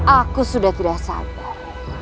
aku sudah tidak sabar